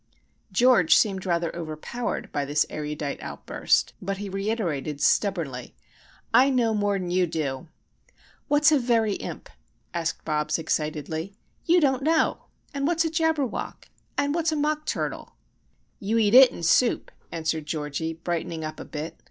George seemed rather overpowered by this erudite outburst; but he reiterated stubbornly:—"I know more'n you do!" "What's a Very Imp?" asked Bobs, excitedly. "You don't know! And what's a Jabberwock? and what's a Mockturtle?" "You eat it in soup," answered Georgie, brightening up a bit.